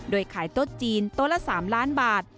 โดยขายโต๊ะจีนโต๊ะละ๓ล้านบาท